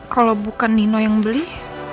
kalau bukan nino yang beli